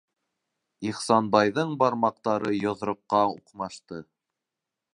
- Ихсанбайҙың бармаҡтары йоҙроҡҡа уҡмашты.